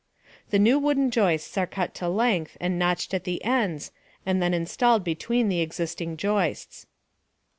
The new wooden joists are cut to length and notched at the ends, then installed between the existing joists.